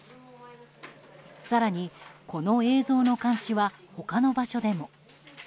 更に、この映像の監視は他の場所でも。